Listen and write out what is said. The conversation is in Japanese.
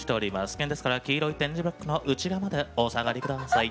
危険ですから黄色い点字ブロックの内側までお下がり下さい」。